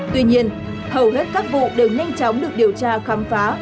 tuy nhiên hầu hết các vụ đều nhanh chóng được điều tra khám phá